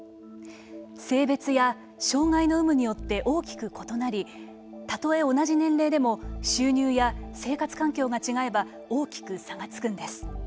性別や障害の有無によって大きく異なりたとえ同じ年齢でも収入や生活環境が違えば大きく差がつくんです。